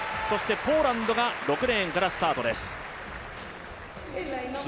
ポーランドが６レーンからスタートです。